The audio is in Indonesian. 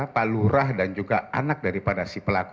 pak lurah dan juga anak daripada si pelaku